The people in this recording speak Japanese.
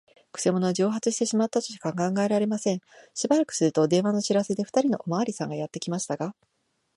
くせ者は蒸発してしまったとしか考えられません。しばらくすると、電話の知らせで、ふたりのおまわりさんがやってきましたが、